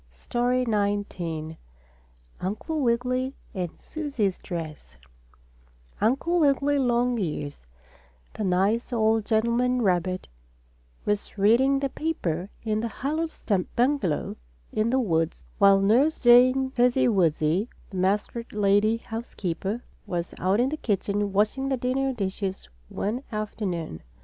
STORY XIX UNCLE WIGGILY AND SUSIE'S DRESS Uncle Wiggily Longears, the nice old gentleman rabbit, was reading the paper in his hollow stump bungalow, in the woods, while Nurse Jane Fuzzy Wuzzy, the muskrat lady house keeper, was out in the kitchen washing the dinner dishes one afternoon.